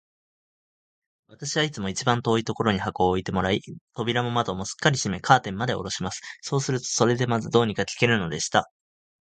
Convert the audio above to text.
私はいつも一番遠いところに箱を置いてもらい、扉も窓もすっかり閉め、カーテンまでおろします。そうすると、それでまず、どうにか聞けるのでした。